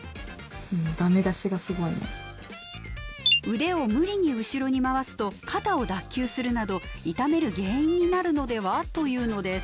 「腕を無理に後ろに回すと肩を脱臼するなど痛める原因になるのでは？」というのです。